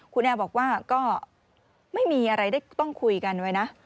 คุณแอร์บอกว่าก็ไม่มีอะไรได้ต้องคุยกันไว้นะ